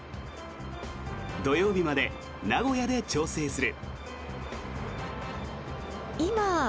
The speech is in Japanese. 土曜日まで名古屋で調整する。